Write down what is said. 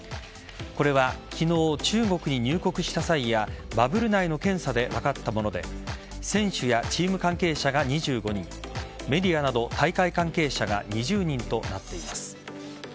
これは昨日、中国に入国した際やバブル内の検査で分かったもので選手やチーム関係者が２５人メディアなど大会関係者が２０人となっています。